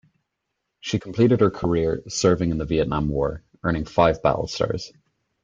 She completed her career serving in the Vietnam War, earning five battle stars.